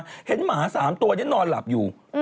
ขับรถผ่านไปผ่านมาเห็นหมา๓ตัวนี่นอนหลับอยู่